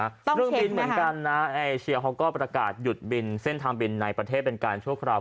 เรื่องบินเหมือนกันนะเอเชียเขาก็ประกาศหยุดบินเส้นทางบินในประเทศเป็นการชั่วคราว